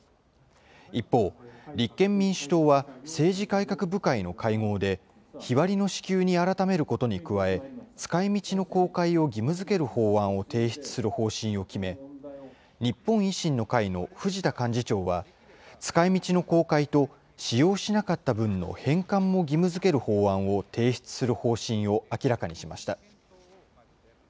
一方、立憲民主党は、政治改革部会の会合で、日割りの支給に改めることに加え、使いみちの公開を義務づける法案を提出する方針を決め、日本維新の会の藤田幹事長は、使いみちの公開と使用しなかった分の返還も義務づける法案を提出する方針を明らかにしました。